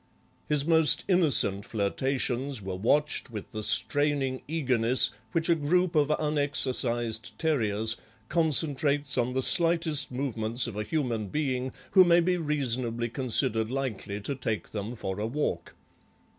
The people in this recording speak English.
His most innocent flirtations were watched with the straining eagerness which a group of unexercised terriers concentrates on the slightest movements of a human being who may be reasonably considered likely to take them for a walk.